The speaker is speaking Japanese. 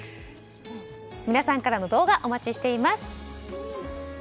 皆さんからの動画お待ちしています。